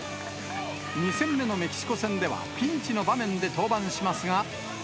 ２戦目のメキシコ戦では、ピンチの場面で登板しますが。